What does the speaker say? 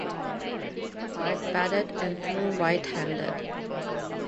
Hart batted and threw right-handed.